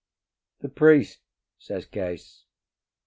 "The priest?" says Case.